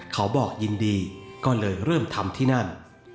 เขาบอกยินดีก็เลยเริ่มทำที่นั่น